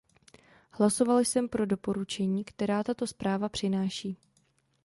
Hlasoval jsem pro doporučení, která tato zpráva přináší.